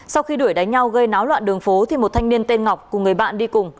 sau khi đuổi đánh nhau gây náo loạn đường phố thì một thanh niên tên ngọc cùng người bạn đi cùng